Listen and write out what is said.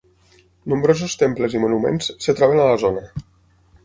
Nombrosos temples i monuments es troben a la zona.